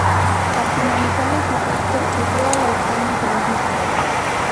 Al finalizar el conflicto huyó a la España franquista.